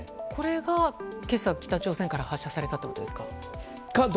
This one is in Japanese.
これが今朝、北朝鮮から発射されたってことですか？